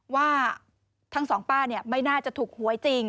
ว่าทั้งสองป้าไม่น่าจะถูกหวยจริง